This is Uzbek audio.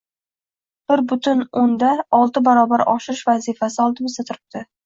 bir butun o'nda olti barobar oshirish vazifasi oldimizda turibdi.